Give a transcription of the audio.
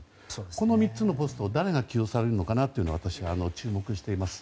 この３つのポストを誰が起用されるのかなと私は注目しています。